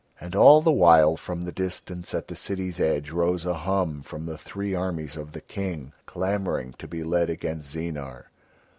And all the while from the distance at the city's edge rose a hum from the three armies of the King clamouring to be led against Zeenar.